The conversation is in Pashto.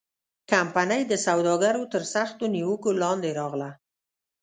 کمپنۍ د سوداګرو تر سختو نیوکو لاندې راغله.